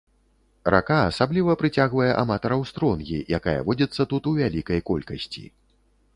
Рака асабліва прыцягвае аматараў стронгі, якая водзіцца тут у вялікай колькасці.